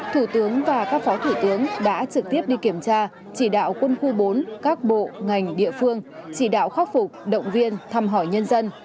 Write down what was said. thủ tướng và các phó thủ tướng đã trực tiếp đi kiểm tra chỉ đạo quân khu bốn các bộ ngành địa phương chỉ đạo khắc phục động viên thăm hỏi nhân dân